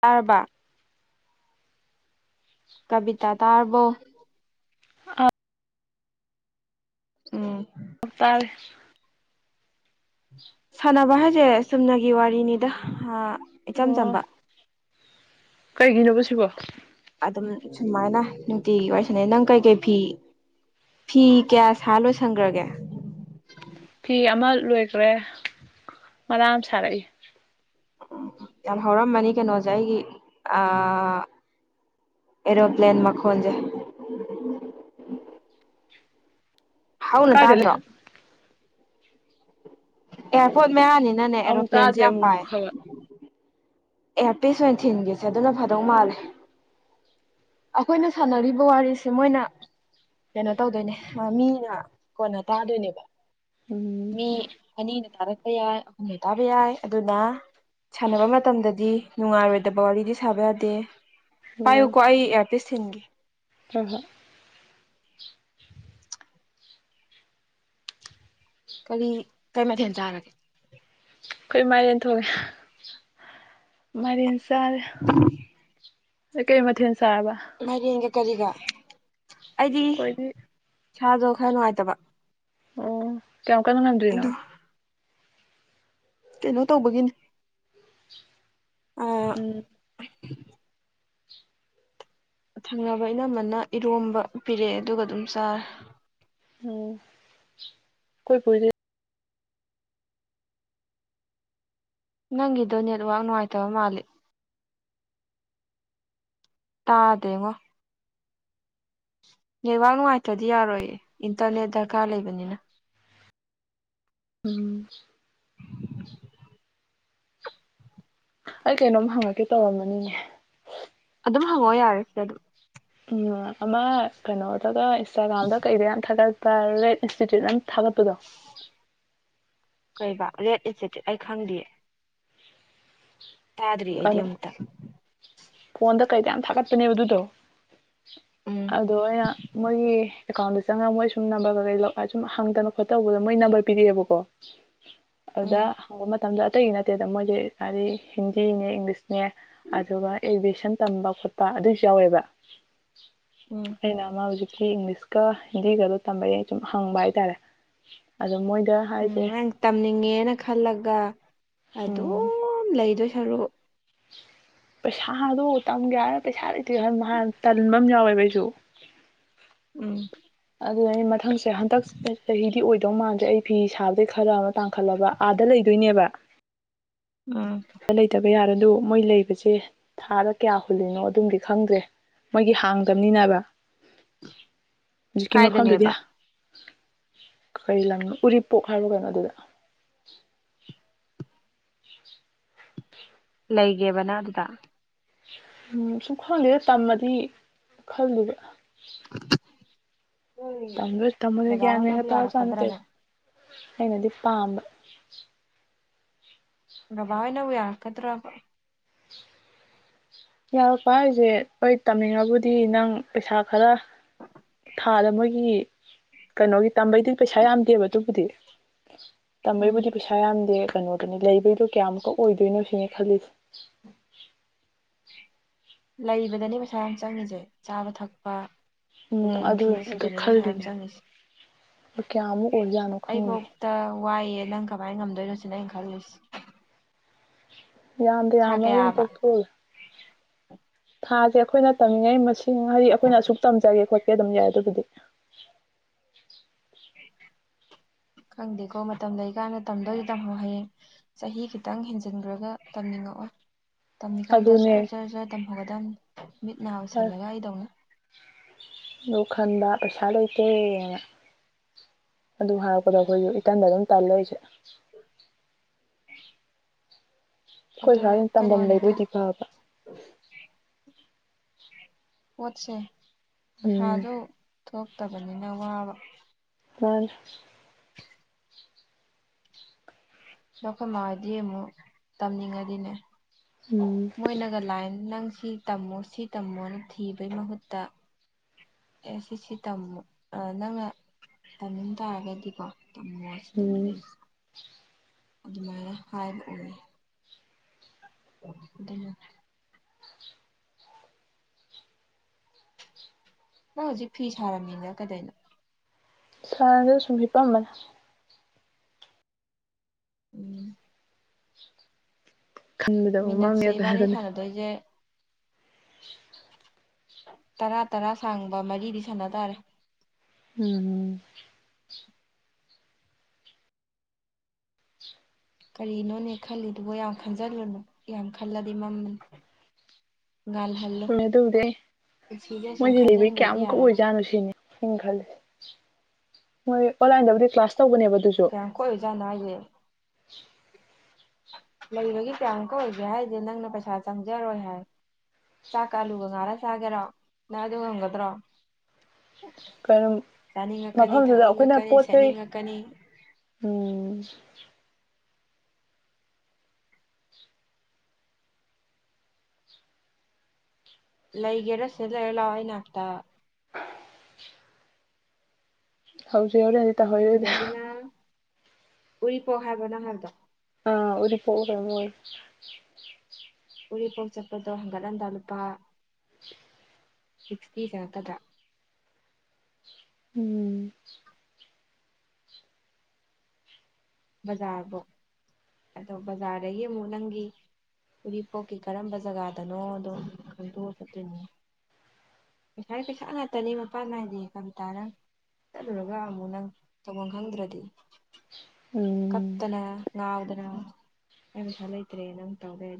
ꯇꯔꯕꯥ ꯀꯕꯤꯇꯥ ꯇꯥꯔꯔꯕꯣ ꯑ ꯎꯝ ꯇꯥꯔꯦ ꯁꯥꯟꯅꯕ ꯍꯥꯏꯁꯦ ꯁꯨꯝꯅꯒꯤ ꯋꯥꯔꯤꯅꯤꯗ ꯏꯆꯝ ꯆꯝꯕ ꯀꯩꯒꯤꯅꯣ ꯁꯤꯕꯣ ꯑꯗꯨꯝ ꯁꯨꯃꯥꯏꯅ ꯅꯨꯡꯇꯤꯒꯤ ꯑꯣꯏꯁꯤꯅꯤ ꯅꯪ ꯀꯩꯀꯩ ꯐꯤ ꯐꯤ ꯀꯌꯥ ꯁꯥ ꯂꯣꯏ ꯁꯪꯈ꯭ꯔꯒꯦ ꯐꯤ ꯑꯃ ꯂꯣꯏꯈ꯭ꯔꯦ ꯃꯔꯥ ꯁꯥꯔꯛꯏ ꯌꯥꯝ ꯍꯧꯥꯎꯔꯝ ꯃꯅꯤ ꯀꯩꯅꯣꯖꯥꯏꯒꯤ ꯑ ꯑꯦꯔꯣꯄ꯭ꯂꯦꯟ ꯃꯈꯣꯟꯁꯦ ꯍꯥꯎꯅ ꯀꯥꯏꯗ ꯇꯥꯗ꯭ꯔꯣ ꯂꯩꯅꯣ ꯑꯦꯌꯥꯔꯄꯣꯔꯠ ꯃꯌꯥꯅꯤꯅꯅꯦ ꯑꯃꯨꯛ ꯑꯦꯔꯣꯄ꯭ꯂꯦꯟꯁꯦ ꯇꯥꯗ꯭ꯔꯦ ꯌꯥꯝ ꯑꯃꯨꯛꯃꯨꯛ ꯄꯥꯏ ꯈꯔ ꯑꯦ ꯄꯤꯁ ꯑꯣꯏꯅ ꯊꯤꯟꯒꯁꯦ ꯑꯗꯨꯅ ꯐꯥꯗꯧ ꯃꯥꯜꯂꯦ ꯑꯩꯈꯣꯏꯅ ꯁꯥꯟꯅꯔꯤꯕ ꯋꯥꯔꯤꯁꯦ ꯃꯣꯏꯅ ꯀꯩꯅꯣ ꯇꯧꯗꯣꯏꯅꯦ ꯃꯥ ꯃꯤꯅ ꯀꯣꯟꯅ ꯇꯥꯗꯣꯏꯅꯦꯕ ꯎꯝ ꯃꯤ ꯑꯅꯤꯅ ꯇꯔꯛ ꯌꯥꯏ ꯑꯩꯈꯣꯏ ꯇꯥꯕ ꯌꯥꯏ ꯑꯗꯨꯅ ꯁꯥꯟꯅꯕ ꯃꯇꯝꯗꯗꯤ ꯗꯤ ꯅꯨꯡꯉꯥꯏꯔꯣꯏꯗꯕ ꯋꯥꯔꯤꯗꯤ ꯁꯥꯕ ꯌꯥꯗꯦ ꯄꯥꯏꯌꯨꯀꯣ ꯑꯩ ꯑꯦꯌꯥꯔꯄꯦ ꯊꯟꯒꯦ ꯔꯚꯥ ꯀꯔꯤ ꯀꯔꯤ ꯃꯊꯦꯜ ꯇꯥꯔꯒꯦ ꯑꯩꯈꯣꯏ ꯃꯥꯏꯔꯦꯟ ꯊꯣꯡꯉꯦ ꯃꯥꯏꯔꯦꯟ ꯁꯔꯦ ꯀꯩ ꯃꯊ ꯃꯔꯤ ꯌꯦꯒ ꯀꯔꯤꯒ ꯑꯩꯗꯤ ꯑꯩꯈꯣꯏꯗꯤ ꯁꯥꯗꯣ ꯈꯔ ꯅꯨꯡꯉꯥꯏꯇꯕ ꯑꯣ ꯀꯧ ꯀꯅ ꯅꯟꯗꯔꯤꯅꯣ ꯑꯗꯨ ꯀꯩꯅꯣ ꯇꯧꯕꯒꯤꯅꯤ ꯑꯥ ꯎꯝ ꯊꯪꯅꯕ ꯏꯅꯝꯝꯕꯅ ꯏꯔꯣꯝꯕ ꯄꯤꯔꯛꯑꯦ ꯑꯗꯨꯒ ꯑꯗꯨꯝ ꯆꯥꯔꯦ ꯑꯣ ꯀꯣꯏ ꯄꯨꯔ ꯅꯪꯒꯤꯗꯣ ꯅꯦꯠꯋꯥꯛ ꯅꯨꯡꯉꯥꯏꯇꯕ ꯃꯥꯜꯂꯤꯦ ꯇꯥꯗꯉꯣ ꯅꯦꯠꯋꯥꯛ ꯅꯨꯡꯉꯥꯏꯇ꯭ꯔꯗꯤ ꯌꯥꯔꯣꯏꯌꯦ ꯏꯟꯇꯔꯅꯦꯠ ꯗꯔꯀꯥꯔ ꯂꯩꯕꯅꯤꯅ ꯎꯝ ꯑꯩ ꯀꯩꯅꯣꯝ ꯍꯪꯉꯛꯀꯦ ꯇꯧꯔꯝꯃꯅꯤꯅꯦ ꯑꯗꯨꯝ ꯍꯪꯉꯛꯑꯣ ꯌꯥꯔꯦ ꯁꯤꯦ ꯑꯗꯨꯝ ꯎꯝ ꯑꯃ ꯀꯩꯅꯣꯗꯒ ꯏꯟꯁꯇꯥꯒ꯭ꯔꯥꯝꯗ ꯀꯩꯗ ꯌꯥꯝ ꯊꯥꯒꯠ ꯄꯥꯏꯔꯦꯠ ꯏꯟꯁꯇꯤꯇ꯭ꯌꯨꯠ ꯑꯃ ꯊꯥꯒꯠꯄꯗꯣ ꯀꯩꯕꯥ ꯔꯦꯠ ꯏꯆꯦ ꯑꯩ ꯈꯪꯗꯦꯌꯦ ꯇꯥꯗ꯭ꯔꯤ ꯑꯩꯗꯤ ꯀꯩꯅꯣ ꯑꯃꯨꯛꯇꯪ ꯐꯣꯟꯗ ꯀꯩꯇ ꯌꯥꯝ ꯊꯥꯒꯠꯄꯅꯦꯕ ꯑꯗꯨꯗꯣ ꯎꯝ ꯑꯗꯣ ꯑ ꯑꯣꯏꯅ ꯃꯣꯏꯒꯤ ꯑꯦꯀꯥꯎꯟꯗ ꯆꯪꯉꯒ ꯃꯣꯏ ꯁꯨꯝ ꯅꯝꯕꯔ ꯀ ꯀꯩ ꯁꯨꯝ ꯍꯪꯗꯅ ꯈꯣꯠꯇ ꯇꯧꯕꯗ ꯃꯣꯏ ꯅꯝꯕꯔ ꯄꯤꯔꯛꯑꯦꯕꯀꯣ ꯑꯗꯨꯗ ꯎꯝ ꯍꯪꯕ ꯃꯇꯝꯗ ꯑꯇꯩꯗꯤ ꯅꯠꯇꯦꯗ ꯃꯣꯏꯁꯦ ꯍꯥꯏꯗꯤ ꯅꯦ ꯏꯪꯂꯤꯁꯅꯦ ꯑꯗꯨꯒ ꯑꯦꯒꯦꯁꯟ ꯇꯝꯕ ꯈꯣꯠꯄ ꯑꯗꯨꯏꯁꯨ ꯌꯥꯎꯋꯦꯕ ꯎꯝ ꯍꯅ ꯃꯥ ꯍꯧꯖꯤꯛ ꯏꯪꯂꯤꯁꯀ ꯍꯤꯟꯗꯤꯒꯗꯣ ꯇꯝꯕ ꯁꯨꯝ ꯍꯪꯕ ꯍꯥꯏꯇꯥꯔꯦ ꯑꯗꯣ ꯃꯣꯏ ꯎꯝ ꯅꯪ ꯇꯝꯅꯤꯡꯉꯦꯅ ꯈꯜꯂꯒ ꯑꯗꯨꯝ ꯎꯝ ꯂꯩ ꯂꯩꯗꯣꯏ ꯁꯔꯨ ꯄꯩꯁꯥꯗꯣ ꯇꯝꯒꯦ ꯍꯥꯏꯅ ꯄꯩꯁꯥ ꯂꯩꯇꯦꯟ ꯍꯥꯟ ꯇꯟꯕ ꯑꯃ ꯌꯥꯎꯋꯦꯕꯩꯁꯨ ꯎꯝ ꯑꯗꯨꯅ ꯑꯩ ꯃꯊꯪꯁꯦ ꯍꯟꯗꯛ ꯆꯍꯤꯗꯤ ꯑꯣꯏ ꯀꯩꯗꯧ ꯃꯥꯟꯁꯦ ꯑꯩ ꯐꯤ ꯁꯥꯕꯗꯒꯤꯩ ꯈꯔ ꯑꯃ ꯇꯥꯡꯈꯠꯂꯕ ꯑꯥꯗ ꯂꯩꯗꯣꯏꯅꯦꯕ ꯎꯝ ꯕ ꯌꯥꯔꯦ ꯑꯗꯨꯣ ꯃꯣꯏ ꯂꯩꯕꯁꯦ ꯊꯥꯗ ꯀꯌꯥ ꯍꯨꯜꯂꯤꯅꯣ ꯑꯗꯨꯝꯗꯤ ꯈꯪꯗ꯭ꯔꯦ ꯃꯣꯏꯒꯤ ꯍꯥꯡꯗꯕꯅꯤꯅꯦꯕ ꯍꯧꯖꯤꯛꯀꯤ ꯃꯐꯝꯗꯨꯗꯤ ꯀꯥꯏꯗꯅꯦꯕ ꯀꯩ ꯂꯝꯅꯣ ꯎꯔꯤꯄꯣꯛ ꯍꯥꯏꯔꯣ ꯀꯩꯅꯣ ꯑꯗꯨꯗ ꯂꯩꯒꯦꯕꯅ ꯑꯗꯨꯗ ꯎꯝ ꯁꯨꯡꯈꯪꯗꯦꯗ ꯇꯝꯃꯗꯤ ꯈꯜꯂꯕ ꯅꯣꯏ ꯇ ꯊꯝꯃ ꯕꯕꯥ ꯀ꯭ꯌꯥ ꯃꯒ ꯍꯣꯏꯅꯕꯨ ꯇꯥ ꯆꯅ ꯇꯔ ꯌꯥꯔꯛꯀꯗ꯭ꯔꯅꯦ ꯑꯩꯅꯗꯤ ꯄꯥꯝꯕ ꯕꯥꯅꯕꯨ ꯌꯥ ꯀꯗ꯭ꯔꯥ ꯌꯥꯔꯛꯄ ꯍꯥꯏꯁꯦ ꯍꯣꯏ ꯇꯝꯅꯤꯡꯉꯕꯨꯗꯤ ꯅꯪ ꯄꯩꯁꯥ ꯈꯔ ꯊꯥꯗ ꯃꯣꯏꯒꯤ ꯀꯩꯅꯣꯒꯤ ꯇꯝꯕꯩꯗꯨ ꯄꯩꯁꯥ ꯌꯥꯝꯗꯦꯕ ꯑꯗꯨꯕꯨꯗꯤ ꯎꯝ ꯇꯝꯕꯩꯕꯨꯗꯤ ꯄꯩꯁꯥ ꯌꯥꯝꯗꯦ ꯀꯩꯅꯣꯗꯅꯤ ꯂꯩꯕꯒꯤꯗꯣ ꯀꯌꯥꯃꯨꯛꯀ ꯑꯣꯏꯗꯣꯏꯅꯣ ꯁꯤꯅꯦ ꯈꯜꯂꯤꯁꯦ ꯂꯩꯕꯗꯅꯤ ꯄꯩꯁꯥ ꯌꯥꯝ ꯆꯪꯉꯤꯁꯦ ꯆꯥꯕ ꯊꯛꯄ ꯎꯝ ꯔꯂꯦꯟ ꯑꯗꯨ ꯐꯤ ꯑꯗꯨ ꯁꯤꯗꯅꯦꯕꯁꯥ ꯌꯥꯝ ꯈꯜꯂꯤꯅꯦ ꯆꯪꯉꯁꯤ ꯀꯌꯥꯃꯨꯛ ꯑꯣꯏꯖꯥꯠꯅꯣ ꯈꯪꯗꯦ ꯑꯩꯕꯨꯧꯇ ꯋꯥꯏꯑꯦ ꯅꯪ ꯀꯃꯥꯏꯅ ꯉꯝꯗꯣꯏꯅꯣꯁꯤꯅ ꯑꯩꯅ ꯈꯂꯨꯁꯤ ꯌꯥꯝꯗꯤ ꯌꯥꯝꯃ ꯑꯗꯨꯝ ꯄꯣꯛꯊꯣꯛꯑꯒ ꯊꯥꯁꯦ ꯑꯩꯈꯣꯏꯅ ꯇꯝꯃꯤꯉꯩ ꯃꯁꯤꯡ ꯍꯥꯏꯗꯤ ꯑꯩꯈꯣꯏꯅ ꯑꯁꯨꯛ ꯇꯝꯖꯒꯦ ꯈꯣꯠꯀꯦ ꯑꯗꯨꯝ ꯌꯥꯏ ꯑꯗꯨꯗꯤ ꯍ ꯈꯪꯗꯦꯀꯣ ꯃꯇꯝ ꯂꯩꯀꯥꯟꯗ ꯇꯝꯗꯣꯏꯗꯤ ꯇꯝꯍꯧ ꯍꯌꯦꯡ ꯆꯍꯤ ꯈꯤꯇꯪ ꯍꯦꯟꯖꯤꯟꯈ꯭ꯔꯒ ꯇꯝꯅꯤꯡꯉꯛꯑꯣ ꯇꯝꯃꯤꯀꯥꯟꯗ ꯑꯗꯨꯅꯦ ꯖꯔ ꯖꯔ ꯖꯔ ꯇꯝꯐꯒꯗꯕꯅꯤ ꯃꯤꯠ ꯅꯥ ꯎꯁꯜꯂꯒ ꯑꯩꯗꯧꯅ ꯑꯗꯨ ꯈꯟꯕ ꯄꯩꯁꯥ ꯂꯩꯇꯦꯅ ꯑꯗꯨ ꯍꯥꯏꯔꯛꯄꯗ ꯑꯩꯈꯣꯏꯁꯨ ꯏꯇꯟꯗ ꯑꯗꯨꯝ ꯇꯥꯜ ꯂꯩꯔꯤꯁꯦ ꯑꯗꯣ ꯑꯩꯈꯣꯏꯁꯨ ꯍꯅ ꯇꯝꯐꯝ ꯀꯩꯅꯣꯅꯤꯗ ꯂꯩꯕꯣꯏꯗꯤ ꯐꯕ ꯄꯣꯠꯁꯦ ꯎꯝ ꯄꯩꯁꯥꯁꯨ ꯊꯣꯛꯇꯕꯅꯤꯅ ꯋꯥꯕ ꯇ ꯅꯈꯣꯏ ꯃꯥꯗꯤ ꯑꯃꯨꯛ ꯇꯝꯅꯤꯡꯉꯕꯗꯤꯅꯦ ꯎꯝ ꯃꯣꯏ ꯅꯒꯥꯔꯂꯥꯏꯟ ꯅꯪ ꯁꯤ ꯇꯝꯃꯣ ꯁꯤ ꯇꯝꯃꯣꯅ ꯊꯤꯕꯩ ꯃꯍꯨꯠꯇ ꯑꯦ ꯁꯤꯁꯤ ꯇꯝꯃꯨ ꯅꯪꯅ ꯇꯝꯅꯤꯡ ꯇꯥꯔꯒꯗꯤꯀꯣ ꯇ ꯃꯁ ꯇꯝ ꯎꯝ ꯂꯩꯁ ꯑꯗꯨꯃꯅ ꯍꯥꯏꯕ ꯑꯣꯏ ꯑꯗꯨꯅ ꯅꯣꯏ ꯍꯧꯖꯤꯛ ꯐꯤ ꯁꯥꯔꯕꯝꯅꯤꯅ ꯀꯗꯥꯏꯅꯣ ꯁꯥꯡ ꯁꯨꯝꯕꯤꯄꯝꯕꯅꯦ ꯎꯝ ꯃꯤꯅꯠꯁꯦ ꯈꯟꯕꯗꯃꯥꯡꯉꯦꯒ ꯏꯕꯥꯅꯤ ꯍꯥꯏꯕꯅꯦ ꯁꯥꯟꯅꯗꯣꯏꯁꯦ ꯇꯔꯥ ꯇꯔꯥ ꯁꯥꯡꯕ ꯃꯔꯤꯗꯤ ꯁꯥꯟꯅ ꯇꯥꯔꯦ ꯎꯝ ꯀꯔꯤꯅꯣꯅꯦ ꯈꯜꯂꯤꯗꯨꯕꯣ ꯌꯥꯝ ꯈꯟꯖꯜꯂꯨꯅꯨ ꯌꯥꯝ ꯈꯜꯂꯗꯤ ꯃꯝꯃꯅꯤ ꯃ ꯑꯗꯨ ꯎꯗꯦ ꯄꯨꯟꯁꯤꯁꯦ ꯁꯨꯝ ꯃꯣꯏꯗꯤꯂꯤꯚꯔꯤ ꯈꯟꯖꯤꯟꯈ꯭ꯔꯗꯤ ꯀꯌꯥꯃꯨꯛꯀ ꯌꯥꯔꯔꯣꯏ ꯑꯣꯏꯖꯥꯠꯅꯣ ꯁꯤꯅꯤ ꯑꯩꯅ ꯈꯜꯂꯦ ꯃꯣꯏ ꯑꯣꯟꯂꯥꯏꯟꯗꯕꯨꯗꯤ ꯀ꯭ꯂꯥꯁ ꯇꯧꯕꯅꯦꯕ ꯑꯗꯨꯁꯨ ꯀꯌꯥꯝ ꯀꯣꯏꯏꯖꯥꯠꯅꯣ ꯍꯥꯏꯌꯦꯦ [unintelligible] ꯂꯩꯕꯒꯤꯦ ꯀꯌꯥꯃꯨꯛꯀ ꯑꯣꯏꯒꯦ ꯍꯥꯏꯗꯤꯦ ꯅꯪꯅ ꯄꯩꯁꯥ ꯆꯪꯖꯔꯣꯏ ꯍꯥꯏ ꯆꯥꯛ ꯀꯥꯂꯨꯒ ꯉꯥꯔ ꯆꯥꯒꯦꯔꯣ ꯅꯪ ꯑꯗꯨ ꯉꯝꯒꯗ꯭ꯔꯣ ꯀꯩꯅꯣ ꯆꯥꯅꯤꯡꯉꯛꯀꯅꯤ ꯃꯐꯝꯗꯨꯗ ꯊꯛꯅꯤꯡꯉꯛꯀꯅꯤ ꯁꯦꯠꯅꯤꯡꯉꯛꯀꯅꯤ ꯑꯣ ꯂꯩꯩꯒꯦꯔꯁꯂ ꯑꯦꯂꯋꯥꯏꯅꯅꯥꯥꯛꯇ ꯍꯧꯖꯤꯛ ꯍꯣꯔꯦꯟ ꯑꯗꯨꯗꯒꯤꯅ ꯎꯔꯤꯄꯣꯛ ꯍꯥꯏꯕꯅꯣ ꯍꯥꯏꯕꯗꯣ ꯑꯥ ꯄꯔ ꯎꯔꯤꯄꯣꯛ ꯆꯠꯄꯗꯣ ꯍꯪꯒꯠꯂꯝꯟꯗꯥ ꯂꯨꯄꯥ ꯁꯤꯛꯁꯇꯤ ꯆꯔꯛꯀꯗ꯭ꯔꯥ ꯎꯝ ꯕꯖꯥꯔꯕꯨꯣ ꯑꯗꯣ ꯕꯖꯥꯔꯗꯒꯤ ꯑꯃꯨꯛ ꯅꯪꯒꯤ ꯎꯔꯤꯄꯣꯛꯀꯤ ꯀꯔꯝꯕ ꯖꯒꯥꯗꯅꯣ ꯑꯗꯣ ꯈꯪꯗꯣꯛꯑ ꯆꯠꯇꯣꯏꯅꯤ ꯄꯩꯁꯥ ꯄꯩꯁꯥ ꯉꯥꯛꯇꯅꯤ ꯃꯄꯥꯟ ꯅꯥꯏꯗꯦ ꯀ ꯇꯔ ꯆꯠꯂꯨꯔꯒ ꯑꯃꯨꯛ ꯅꯪ ꯇꯧꯐꯝ ꯈꯪꯗ꯭ꯔꯗꯤ ꯎꯝ ꯀꯞꯇꯅ ꯉꯥꯎꯗꯅ ꯑꯩꯁꯥ ꯂꯩꯇ꯭ꯔꯦ ꯅꯪ ꯇꯧꯔꯦ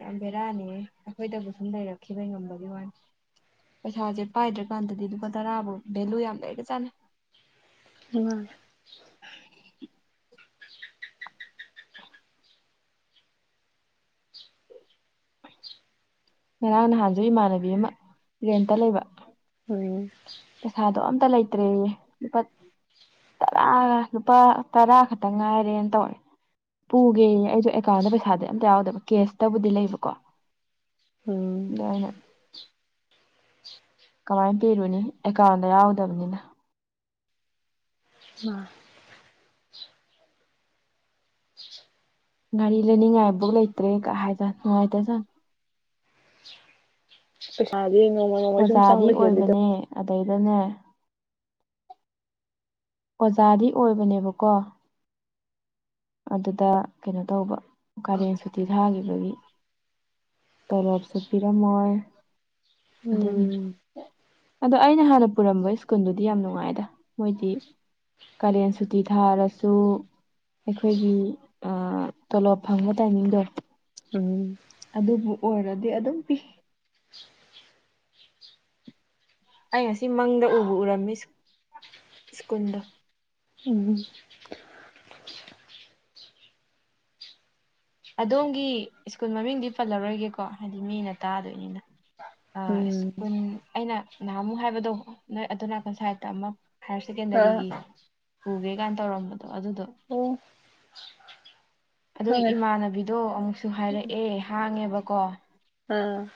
ꯌꯥꯝ ꯕꯦꯔꯥꯅꯦ ꯑꯩꯈꯣꯏꯗꯕꯨ ꯁꯨꯝ ꯂꯩꯔꯛꯈꯤꯕ ꯉꯝꯕꯒꯤ ꯋꯥ ꯄꯩꯁꯥꯁꯦ ꯄꯥꯏꯗ꯭ꯔꯀꯥꯟꯗꯗꯤ ꯂꯨꯄꯥ ꯇꯔꯥꯕꯨꯥꯎ ꯚꯦꯂꯨ ꯌꯥꯝ ꯂꯩꯔꯒ ꯆꯥꯅꯩ ꯑ ꯉꯔꯥꯡ ꯅꯍꯥꯟꯁꯨ ꯏꯃꯥꯟꯅꯕꯤ ꯑꯃ ꯇꯔꯦꯟꯇ ꯂꯩꯕ ꯎꯝ ꯐꯠꯇꯂꯇꯔꯤ ꯏꯄꯥ ꯇꯔꯥꯒ ꯂꯨꯄꯥ ꯇꯔꯥ ꯈꯛꯇꯪ ꯉꯥꯏꯔꯦꯅ ꯇꯧꯔꯦ ꯄꯨꯒꯦ ꯑꯩꯁꯨ ꯑꯦꯀꯥꯎꯟꯗ ꯄꯩꯁꯥꯗꯤ ꯑꯝꯇ ꯌꯥꯎꯗꯕ ꯀꯦꯁꯇꯕꯨꯗꯤ ꯂꯩꯕꯀꯣ ꯎꯝ ꯌꯥꯏꯅ ꯀꯃꯥꯏꯅ ꯄꯤꯔꯨꯅꯤ ꯑꯦꯀꯥꯎꯟꯗ ꯌꯥꯎꯗꯕꯅꯤꯅ ꯑ ꯒꯥꯔꯤ ꯂꯩꯅꯤꯡꯉꯥꯏꯐꯧ ꯂꯩꯇ꯭ꯔꯦ ꯀ ꯍꯥꯏꯁ ꯅꯨꯡꯉꯥꯏꯇꯦ ꯁꯥꯔ ꯄꯩꯁꯥꯥꯁꯦ ꯅꯣꯡꯃ ꯅꯣꯡꯃ ꯁꯨꯝ ꯑꯣꯖꯥꯗꯤ ꯆꯪꯕ ꯍꯦꯜꯂꯤꯗꯕ ꯑꯣꯏꯕꯅꯦ ꯑꯗꯩꯗꯅꯦ ꯑꯣꯖꯥꯗꯤ ꯑꯣꯏꯕꯅꯦꯕꯀꯣ ꯑꯗꯨꯗ ꯀꯩꯅꯣ ꯇꯧꯕ ꯀꯥꯔꯦꯟ ꯁꯨꯇꯤ ꯊꯥꯈꯤꯕ ꯑꯗꯒꯤ ꯇꯣꯂꯣꯞꯁꯨ ꯄꯤꯔꯝꯃꯣꯏ ꯑꯗꯨꯒꯤ ꯎꯝ ꯑꯗꯣ ꯑꯩꯅ ꯍꯥꯟꯅ ꯄꯨꯔꯝꯕ ꯁ꯭ꯀꯨꯜꯗꯨꯗꯤ ꯌꯥꯝ ꯅꯨꯡꯉꯥꯏꯗ ꯃꯣꯏꯗꯤ ꯀꯥꯂꯦꯟ ꯁꯨꯇꯤ ꯊꯥꯔꯁꯨ ꯑꯩꯈꯣꯏꯒꯤ ꯇꯣꯂꯣꯞ ꯐꯪꯕ ꯇꯥꯏꯃꯤꯡꯗꯣ ꯎꯝ ꯑꯗꯨꯕꯨ ꯑꯣꯏꯔꯗꯤ ꯑꯗꯨꯝ ꯄꯤ ꯑꯩ ꯉꯁꯤ ꯃꯪꯗ ꯎꯕ ꯎꯔꯝꯃꯤ ꯁ꯭ꯀꯨꯜꯗ ꯎꯝ ꯑꯗꯣꯝꯒꯤ ꯁ꯭ꯀꯨꯜ ꯃꯃꯤꯡꯗꯤ ꯄꯜꯂꯔꯣꯏꯒꯦꯀꯣ ꯍꯥꯏꯗꯤ ꯃꯤꯅ ꯇꯥꯗꯣꯏꯅꯤꯅ ꯑ ꯎꯝ ꯁ꯭ꯀꯨꯜ ꯑꯩꯅ ꯅꯍꯥꯃꯨ ꯍꯥꯏꯕꯗꯣ ꯅꯣꯏ ꯑꯗꯨ ꯀꯟ ꯁꯥꯏꯠꯇ ꯑꯃꯨꯛ ꯍꯥꯌꯔ ꯑ ꯁꯦꯀꯦꯟꯗꯔꯤꯒꯤ ꯑꯣ ꯄꯨꯒꯦ ꯀꯥꯏꯅ ꯇꯧꯔꯝꯕꯗꯣ ꯑꯗꯨꯗꯣ ꯑꯗꯨꯒꯤ ꯈꯪꯉꯦ ꯏꯃꯥꯟꯅꯕꯤꯗꯣ ꯑꯃꯨꯛꯁꯨ ꯍꯥꯏꯔꯛꯑꯦ ꯍꯥꯡꯉꯦꯕꯀꯣ ꯎꯝ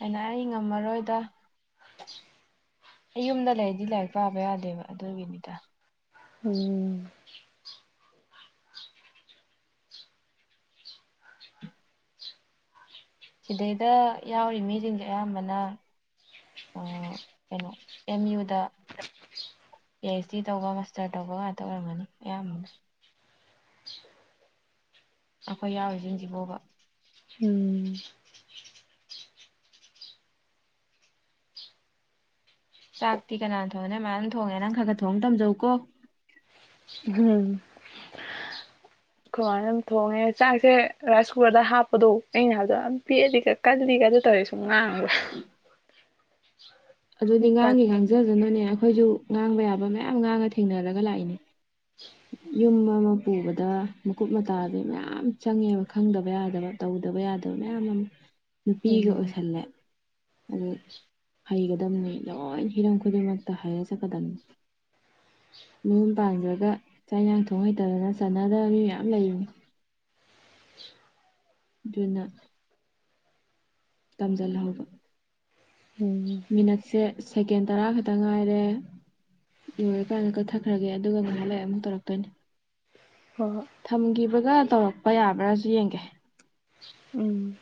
ꯑꯩꯅ ꯑꯩ ꯉꯝꯃꯔꯣꯏꯗ ꯑꯩ ꯌꯨꯝꯗ ꯂꯩꯔꯗꯤ ꯂꯥꯏꯔꯤꯛ ꯄꯥꯕ ꯌꯥꯗꯦꯕ ꯑꯗꯨꯒꯤꯅꯤꯗ ꯎꯝ ꯁꯤꯗꯩꯗ ꯌꯥꯎꯔꯤ ꯃꯤꯁꯤꯡꯁꯦ ꯑꯌꯥꯝꯕꯅ ꯀꯩꯅꯣ ꯑꯦꯝ ꯌꯨꯗ ꯄꯤ ꯑꯩꯆ ꯗꯤ ꯇꯧꯕ ꯃꯥꯁꯇꯔ ꯇꯧꯕ ꯉꯥꯛꯇ ꯑꯣꯏꯔꯝꯒꯅꯤ ꯑꯌꯥꯝꯕꯅ ꯑꯩꯈꯣꯏ ꯌꯥꯎꯔꯤꯁꯤꯡꯁꯤꯕꯣꯕ ꯎꯝ ꯆꯥꯛꯇꯤ ꯀꯅꯥꯅ ꯊꯣꯡꯅꯤ ꯃꯥ ꯑꯗꯨ ꯊꯣꯡꯉꯦ ꯅꯪ ꯈꯔ ꯈꯔ ꯊꯣꯡ ꯇꯝꯖꯧꯀꯣ ꯀꯃꯥꯏꯅ ꯑꯗꯨ ꯊꯣꯡꯉꯦ ꯆꯥꯛꯁꯦ ꯔꯥꯏꯁ ꯀꯨꯀꯔꯗ ꯍꯥꯞꯄꯗꯣ ꯑꯩꯅ ꯍꯥꯏꯗ ꯄꯤꯑꯗꯤ ꯀꯜꯂꯤ ꯀꯥꯏꯗ ꯇꯧꯔꯦ ꯁꯨꯝ ꯉ ꯑꯗꯨꯗꯤ ꯉꯥꯡꯉꯦ ꯉꯥꯡꯖꯗꯅꯨꯅꯦ ꯑꯩꯈꯣꯏꯁꯨ ꯉꯥꯡꯕ ꯌꯥꯕ ꯃꯌꯥꯝ ꯉꯥꯡꯉ ꯊꯦꯡꯅꯔꯒ ꯂꯥꯛꯏꯅꯦ ꯌꯨꯝ ꯑꯃ ꯄꯨꯕꯗ ꯃꯀꯨꯞ ꯃꯇꯥꯗ ꯃꯌꯥꯝ ꯆꯪꯉꯦꯕ ꯈꯪꯗꯕ ꯌꯥꯗꯕ ꯇꯧꯗ ꯇꯕ ꯌꯥꯗꯕ ꯃꯌꯥꯝ ꯑꯃ ꯅꯨꯄꯤꯒ ꯎꯝ ꯑꯣꯏꯁꯜꯂꯦ ꯑꯗꯨ ꯍꯩꯒꯗꯝꯕꯅꯤ ꯂꯣꯏ ꯍꯤꯔꯝ ꯈꯨꯗꯤꯡꯃꯛꯇ ꯍꯔ ꯆꯠꯀꯗꯝꯕꯅꯤ ꯃꯤꯨꯝ ꯄꯥꯟꯖꯔꯒ ꯆꯌꯥꯡꯊꯣꯡ ꯍꯩꯇꯗꯅ ꯆꯠꯅꯗꯕ ꯃꯤ ꯃꯌꯥꯝ ꯂꯩꯔꯤꯅꯤ ꯑꯗꯨꯅ ꯇꯝꯁꯤꯜꯍꯧꯕ ꯎꯝ ꯃꯤꯅꯠꯁꯦ ꯁꯦꯀꯦꯟ ꯇꯔꯥ ꯈꯛꯇ ꯉꯥꯏꯔꯦ ꯂꯣꯏꯔꯀꯥꯟꯗ ꯀꯠꯊꯈ꯭ꯔꯒꯦ ꯑꯗꯨꯒ ꯉꯥꯏꯍꯥꯛ ꯂꯏꯦ ꯑꯃꯨꯛ ꯇꯧꯔꯛꯇꯣꯏꯅꯤ ꯍ ꯑꯗꯨꯒ ꯇꯧꯔꯛꯄ ꯌꯥꯕ꯭ꯔꯥꯁꯨ ꯌꯦꯡꯒꯦ ꯎꯝ